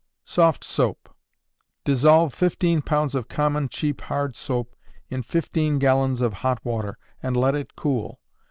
Soft Soap. Dissolve fifteen pounds of common cheap hard soap in fifteen gallons of hot water, and let it cool.